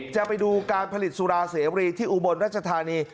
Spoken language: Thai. จะไปดูการผลิตสุราเสวรีที่อุบลราชธานี